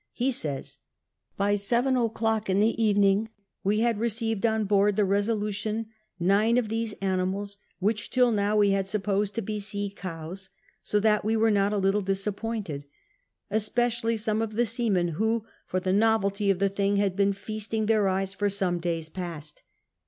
He says : By seven o'clock in the evening we had receive*! on board the Eenohdion nine of these animals, which, till now, we had suppose*! to be sea cows, so that we were not a little disappointed, especially some of the seluiicn, who, for the novelty of the thing, hod been feasting their eyes for some days past.